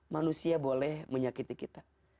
manusia boleh menyakiti kita